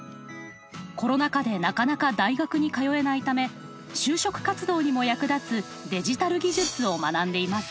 コロナ禍でなかなか大学に通えないため就職活動にも役立つデジタル技術を学んでいます。